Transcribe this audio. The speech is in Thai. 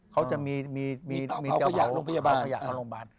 เขาจะมีเจ้าเผาขยะของโรงพยาบาล